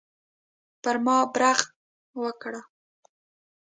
پر ما برغ وکړه.